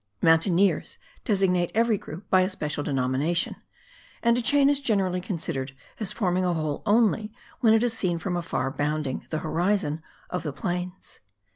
Mountaineers designate every group by a special denomination; and a chain is generally considered as forming a whole only when it is seen from afar bounding the horizon of the plains.